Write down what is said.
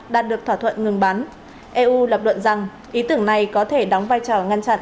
đạt được thỏa thuận ngừng bắn eu lập luận rằng ý tưởng này có thể đóng vai trò ngăn chặn